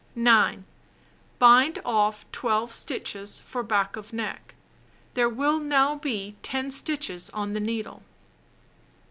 9, Bind off 12 stitches for back of neck. There will now be 10 stitches on the needle.